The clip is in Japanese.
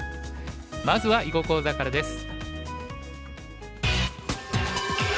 まずは囲碁講座からです。